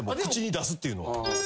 口に出すっていうのは。